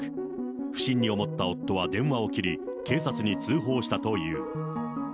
不審に思った夫は電話を切り、警察に通報したという。